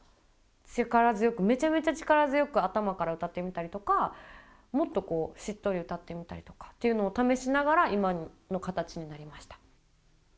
力強くめちゃめちゃ力強く頭から歌ってみたりとかもっとこうしっとり歌ってみたりとかっていうのを試しながら今の形になりました。